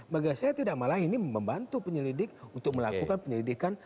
maka saya tidak malah ini membantu penyelidik untuk melakukan penyelidikan